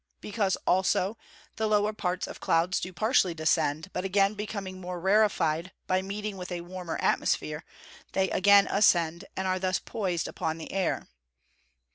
Because, also, the lower parts of clouds do partially descend, but again becoming more rarefied by meeting with a warmer atmosphere, they again ascend, and are thus poised upon the air.